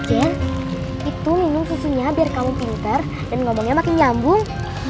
itu minum susunya biar kamu pinter dan ngomongnya makin nyambung